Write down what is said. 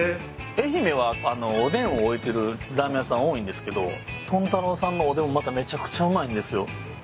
愛媛はおでんを置いてるラーメン屋さん多いんですけど豚太郎さんのおでんもまためちゃくちゃうまいんですよ。